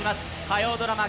火曜ドラマ